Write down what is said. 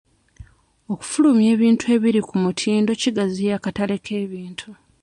Okufulumya ebintu ebiri ku mutindo kigaziya akatale k'ebintu.